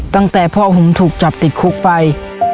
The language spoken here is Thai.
ตั้งแต่พ่อผมถูกจับติดคุกไป